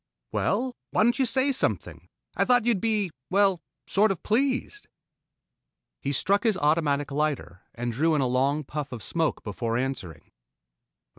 "Well? Why don't you say something? Thought you'd be well, sort of pleased." He struck his automatic lighter and drew in a long puff of smoke before answering.